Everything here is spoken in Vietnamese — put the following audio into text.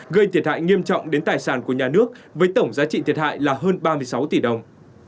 gây thiệt hại nghiêm trọng đến tài sản của nhà nước với tổng giá trị thiệt hại là hơn ba mươi sáu tỷ đồng